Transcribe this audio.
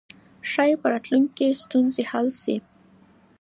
ښايي په راتلونکي کې ستونزې حل شي.